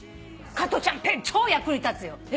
加トちゃんぺ超役に立つよ。